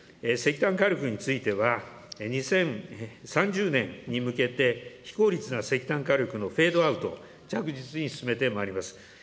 石炭火力については、２０３０年に向けて、非効率な石炭火力のフェードアウト、着実に進めてまいります。